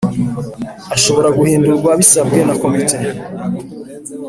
ashobora guhindurwa bisabwe na Komite